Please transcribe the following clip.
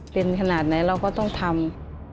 เป็นขนาดไหนเราก็ต้องทำ